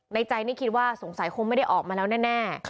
ใจนี่คิดว่าสงสัยคงไม่ได้ออกมาแล้วแน่